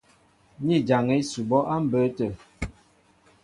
Ni jaŋɛ ísʉbɔ́ á mbə̌ tə̂.